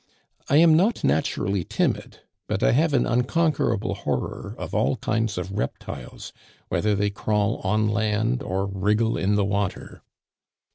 I am not naturally timid, but I have an unconquerable horror of all kinds of reptiles, whether they crawl on land or wriggle in the water."